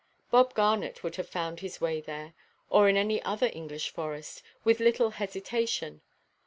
Bob Garnet would have found his way there, or in any other English forest, with little hesitation.